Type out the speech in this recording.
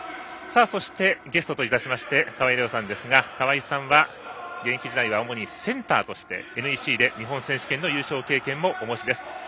そして、ゲストといたしまして川合レオさんですが川合さんは、現役時代主にセンターとしてＮＥＣで日本選手権の優勝経験もお持ちです。